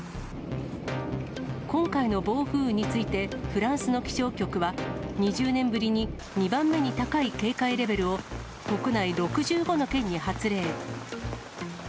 今回の暴風雨についてフランスの気象局は、２０年ぶりに２番目に高い警戒レベルを、国内６５の県に発令。